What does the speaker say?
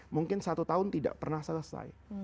mungkin satu tahun tidak pernah selesai